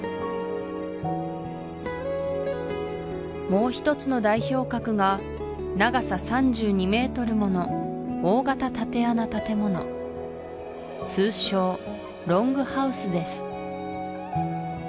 もう一つの代表格が長さ３２ｍもの大型竪穴建物通称ロングハウスです